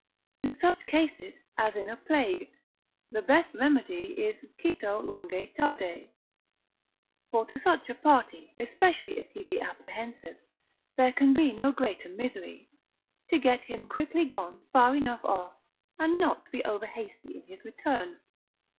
In such cases as in a plague, the best remedy is cito longe tarde: (for to such a party, especially if he be apprehensive, there can be no greater misery) to get him quickly gone far enough off, and not to be overhasty in his return.